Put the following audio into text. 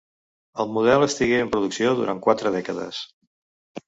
El model estigué en producció durant quatre dècades.